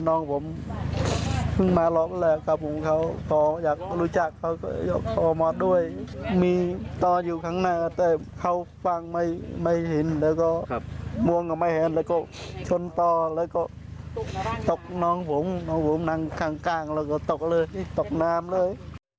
น้องผมน้องผมนั่งข้างเราก็ตกเลยตกน้ำเลย